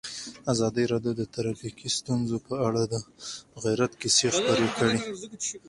ازادي راډیو د ټرافیکي ستونزې په اړه د عبرت کیسې خبر کړي.